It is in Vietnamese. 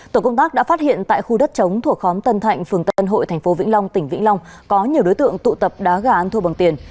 tổ công tác đã phát hiện tại khu đất chống thuộc khóm tân thạnh phường tân hội tp vĩnh long tỉnh vĩnh long có nhiều đối tượng tụ tập đá gà ăn thua bằng tiền